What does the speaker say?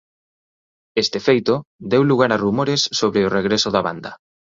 Este feito deu lugar a rumores sobre o regreso da banda.